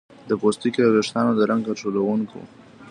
د پوستکي او ویښتانو د رنګ کنټرولونکو